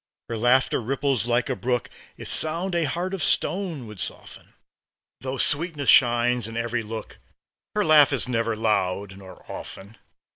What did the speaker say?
Her laughter ripples like a brook; Its sound a heart of stone would soften. Though sweetness shines in every look, Her laugh is never loud, nor often.